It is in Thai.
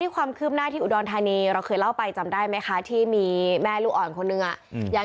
ความคืบหน้าที่อุดรธานีเราเคยเล่าไปจำได้ไหมคะที่มีแม่ลูกอ่อนคนหนึ่ง